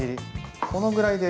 このぐらいで？